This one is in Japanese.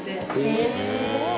えっすごい。